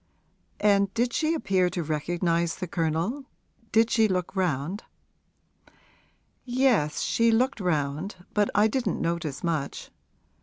'And did she appear to recognise the Colonel did she look round?' 'Yes; she looked round, but I didn't notice much.